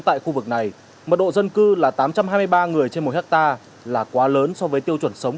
tại khu vực này mật độ dân cư là tám trăm hai mươi ba người trên một hectare là quá lớn so với tiêu chuẩn sống